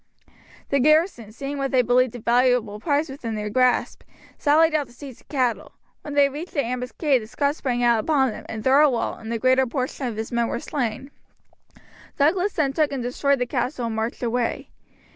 The garrison, seeing what they believed a valuable prize within their grasp, sallied out to seize the cattle. When they reached the ambuscade the Scots sprang out upon them, and Thirlwall and the greater portion of his men were slain. Douglas then took and destroyed the castle and marched away.